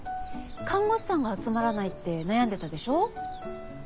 看護師さんが集まらないって悩んでたでしょ？